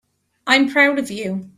I'm proud of you.